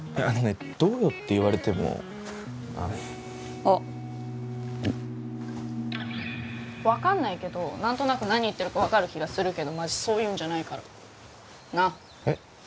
あのねどうよって言われてもあっ分かんないけど何となく何言ってるか分かる気がするけどマジそういうんじゃないからなっえっ？